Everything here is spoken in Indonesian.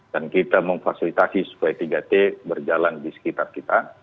dan kita memfasilitasi supaya tiga t berjalan di sekitar kita